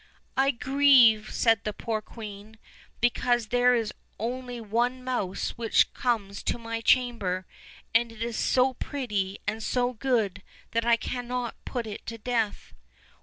"I grieve," said the poor queen, "because there is only one mouse which comes into my chamber, and it is so pretty and so good that I cannot put it to death."